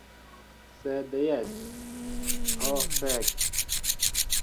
Sed jes, ho fek'